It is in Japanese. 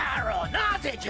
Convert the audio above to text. なぜじゃ！